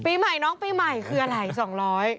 ปีใหม่น้องปีใหม่คืออะไรสองร้อย